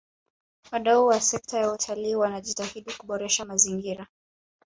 wadau wa sekta ya utalii wanajitahidi kuboresha mazingira